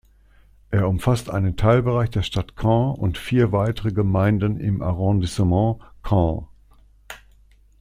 Er umfasst einen Teilbereich der Stadt Caen und vier weitere Gemeinden im Arrondissement Caen.